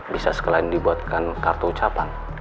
bisa selain dibuatkan kartu ucapan